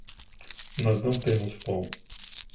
Nós não temos pão